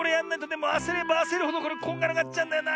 でもあせればあせるほどこれこんがらがっちゃうんだよな。